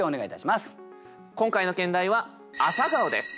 今回の兼題は「朝顔」です。